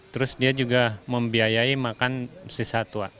terus dia juga membiayai makan sesatwa